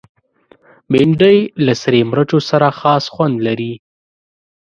بېنډۍ له سرې مرچو سره خاص خوند لري